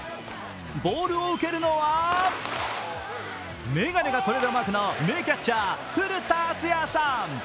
ボールを受けるのは眼鏡がトレードマークの名キャッチャー・古田敦也さん。